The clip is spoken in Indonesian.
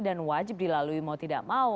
dan wajib dilalui mau tidak mau